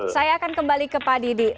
saya akan kembali ke pak didi